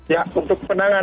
ya untuk penanganan